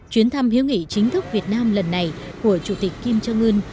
chuyến thăm hữu nghị chính thức việt nam lần này của chủ tịch kim trân ngân